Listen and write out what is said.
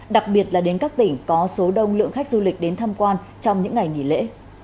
đặc biệt là đến các tỉnh có số đông lượng khách du lịch đến tham quan trong những ngày nghỉ lễ